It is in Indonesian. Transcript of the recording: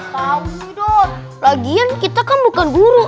tahu dong lagian kita kan bukan guru